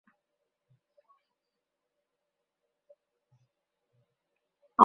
আমার জন্য ওয়েট কর।